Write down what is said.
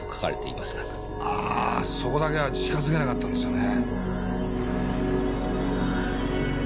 あそこだけは近づけなかったんですよね。